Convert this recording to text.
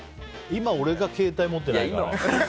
今、俺が携帯持ってないから。